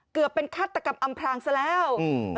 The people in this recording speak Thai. เกือบเป็นคาดตรรกับอำพลังซะแล้วอืม